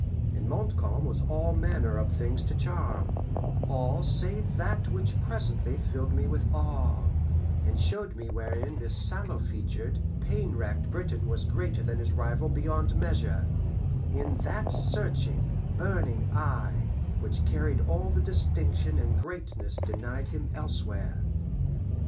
In Montcalm was all manner of things to charm all save that which presently filled me with awe, and showed me wherein this sallow featured, pain racked Briton was greater than his rival beyond measure: in that searching, burning eye, which carried all the distinction and greatness denied him elsewhere.